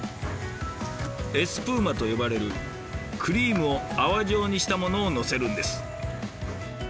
エスプーマと呼ばれるクリームを泡状にしたものをのせるんです。